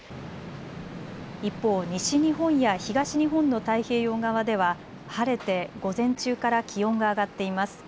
一方、西日本や東日本の太平洋側では晴れて午前中から気温が上がっています。